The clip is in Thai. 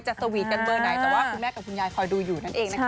สวีทกันเบอร์ไหนแต่ว่าคุณแม่กับคุณยายคอยดูอยู่นั่นเองนะคะ